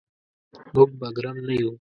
موږ به ګرم نه یو.